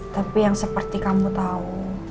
tapi yang seperti kamu tahu